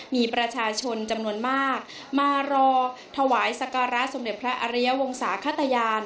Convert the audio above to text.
มีประชาชนจำนวนมากมารอถวายสการะสมเด็จพระอริยวงศาขตยาน